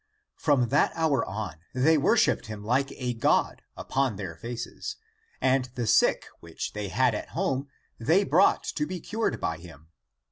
From that hour on they worshipped him like a god upon their faces, and the sick, which they had at home (they brought) to be cured by him.